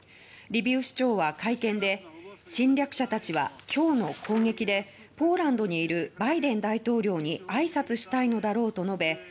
リビウ市長は会見で侵略者たちは今日の攻撃でポーランドにいるバイデン大統領にあいさつしたいのだろうと述べ